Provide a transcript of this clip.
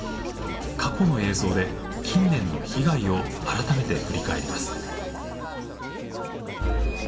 過去の映像で近年の被害を改めて振り返ります。